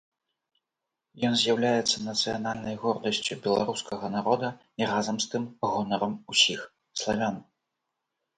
Ён з'яўляецца нацыянальнай гордасцю беларускага народа і разам з тым гонарам ўсіх славян.